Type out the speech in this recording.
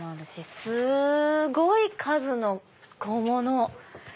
すごい数の小物。